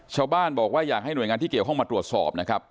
ชาวบ้านบอกว่าอยากให้หน่วยงานที่เกี่ยวข้องมาตรวจสอบนะครับ